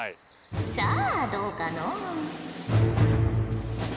さあどうかのう？